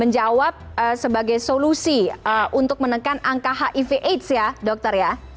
menjawab sebagai solusi untuk menekan angka hiv aids ya dokter ya